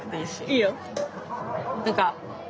いいよ。